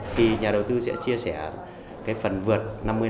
thì nhà đầu tư sẽ chia sẻ cái phần vượt năm mươi năm mươi